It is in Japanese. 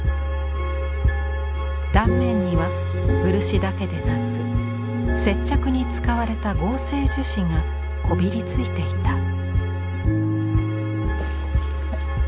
断面には漆だけでなく接着に使われた合成樹脂がこびりついていた。